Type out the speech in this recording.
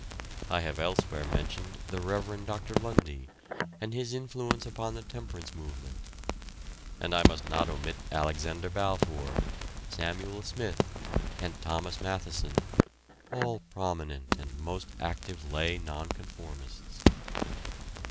I have elsewhere mentioned the Rev. Dr. Lundie, and his influence upon the temperance movement; and I must not omit Alexander Balfour, Samuel Smith, and Thomas Mathieson, all prominent and most active lay nonconformists.